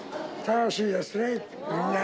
楽しいですね。